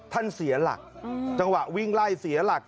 เสียหลักจังหวะวิ่งไล่เสียหลัก